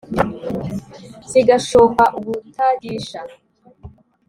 zigashoka ubutagisha